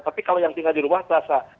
tapi kalau yang tinggal di rumah terasa